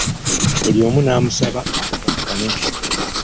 Buli omu namusaba akakkane.